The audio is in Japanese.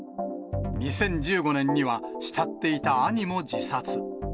２０１５年には慕っていた兄も自殺。